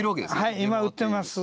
はい今売ってます。